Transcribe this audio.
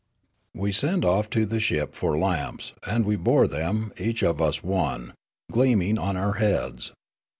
"We sent off to the ship for lamps, and we bore them, each of us one, gleaming on our heads.